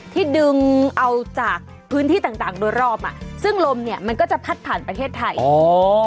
ที่ดึงเอาจากพื้นที่ต่างต่างโดยรอบอ่ะซึ่งลมเนี่ยมันก็จะพัดผ่านประเทศไทยอ๋อ